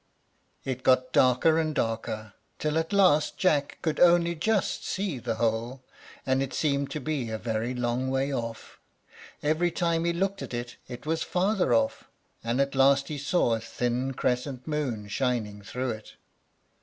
It got darker and darker, till at last Jack could only just see the hole, and it seemed to be a very long way off. Every time he looked at it, it was farther off, and at last he saw a thin crescent moon shining through it.